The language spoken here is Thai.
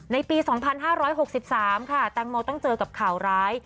ในปี๒๕๖๓ค่ะแตงโมต้องเจอกับข่าวร้าย